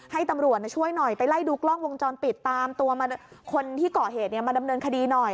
ให้ตำรวจช่วยหน่อยไปไล่ดูกล้องวงจรปิดตามตัวคนที่เกาะเหตุมาดำเนินคดีหน่อย